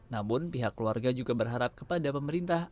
namun pihak keluarga juga berharap kepada pemerintah